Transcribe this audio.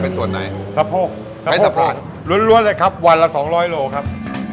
เป็นส่วนไหนสะโพกใช้สะพานล้วนเลยครับวันละสองร้อยโลครับ